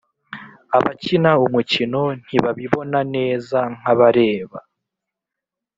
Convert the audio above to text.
abakina umukino ntibabibona neza nkabareba